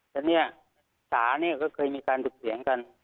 แต่เนี่ยจ๋าเนี่ยก็เคยมีการถกเถียงกัน